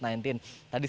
tadi saya bertanya